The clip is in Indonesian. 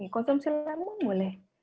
konsumsi lemon boleh